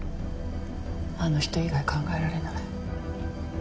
あの人以外考えられない。